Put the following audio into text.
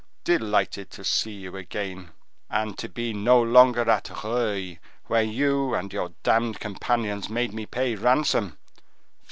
Delighted to see you again, and to be no longer at Rueil, where you and your damned companions made me pay ransom.